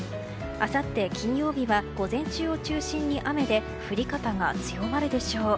あさって金曜日は午前を中心に雨で降り方が強まるでしょう。